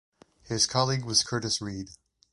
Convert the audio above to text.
His colleague was Curtis Reid.